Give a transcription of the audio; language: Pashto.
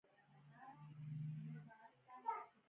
ازادي راډیو د د جګړې راپورونه په اړه د ځوانانو نظریات وړاندې کړي.